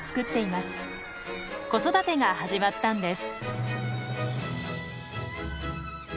子育てが始まったんです。